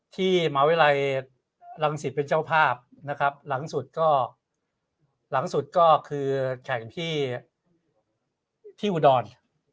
ที่มหาวิทยาลัยรังศิษฐ์เป็นเจ้าภาพนะครับหลังสุดก็คือแข่งที่อุดร